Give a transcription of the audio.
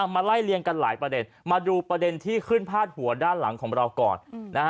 มาไล่เลี่ยงกันหลายประเด็นมาดูประเด็นที่ขึ้นพาดหัวด้านหลังของเราก่อน